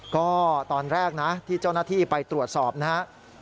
ก็ตอนแรกนะที่เจ้าหน้าที่ไปตรวจสอบนะครับ